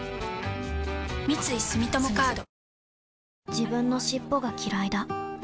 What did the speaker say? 自分の尻尾がきらいだ